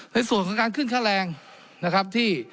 ในส่วนของการขึ้นค่าแรงนะครับที่